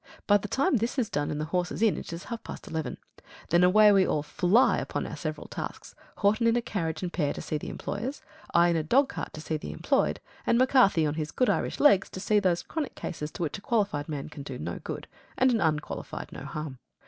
By the time this is done and the horses in, it is half past eleven. Then away we all FLY upon our several tasks: Horton in a carriage and pair to see the employers; I in a dog cart to see the employed; and McCarthy on his good Irish legs to see those chronic cases to which a qualified man can do no good, and an unqualified no harm.